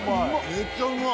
めっちゃうまい。